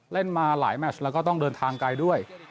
มาหลายแมชแล้วก็ต้องเดินทางไกลด้วย